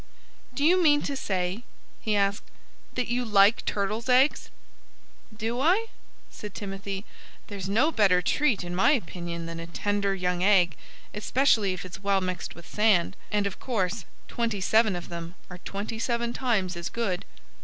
"Do you mean to say," he asked, "that you like turtles' eggs!" "Do I?" said Timothy. "There's no better treat, in my opinion, than a tender young egg, especially if it's well mixed with sand. And, of course, twenty seven of them are twenty seven times as good."